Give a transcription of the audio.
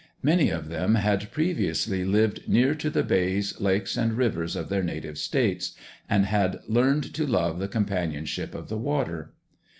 Many of them had previously lived near to the bays, lakes, and rivers of their native States, and had learned to love the companionship of the water.